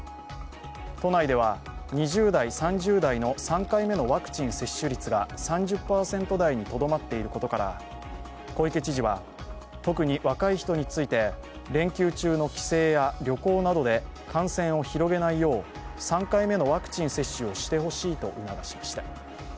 都内では２０代、３０代の３回目のワクチン接種率が３０％台にとどまっていることから小池知事は特に若い人について、連休中の帰省や旅行などで感染を広げないよう３回目のワクチン接種をしてほしいと促しました。